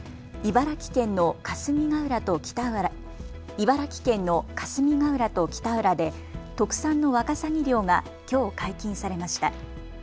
茨城県の霞ヶ浦と北浦で特産のワカサギ漁がきょう解禁されました。